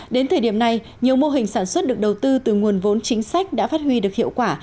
đến thời điểm này nhiều mô hình sản xuất được đầu tư từ nguồn vốn chính sách đã phát huy được hiệu quả